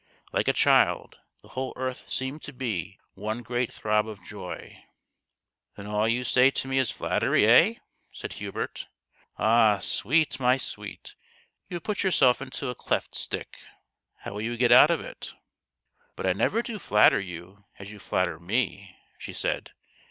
Like a child, the whole earth seemed to be one great throb of joy. " Then all you say to me is flattery, hey ?" said Hubert. " Ah, sweet, my sweet, you have put yourself into a cleft stick ! How will you get out of it ?"" But I never do flatter you as you flatter me," she said.